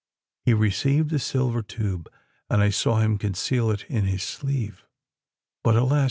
"He received the silver tube, and I saw him conceal it in his sleeve. But, alas!